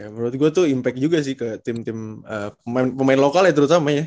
menurut gue tuh impact juga sih ke tim tim pemain lokal ya terutama ya